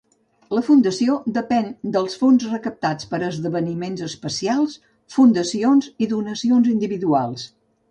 La Fundació depèn dels fons recaptats per esdeveniments especials, fundacions i donacions individuals.